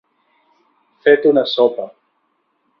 Fet una sopa.